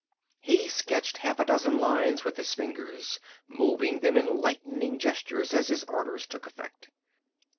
He sketched half a dozen lines with his fingers, moving them in lightning gestures as his orders took effect.